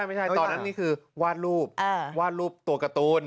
ไม่ใช่ตอนนั้นนี่คือวาดรูปวาดรูปตัวการ์ตูน